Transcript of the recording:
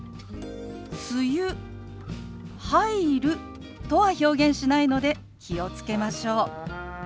「梅雨入る」とは表現しないので気を付けましょう。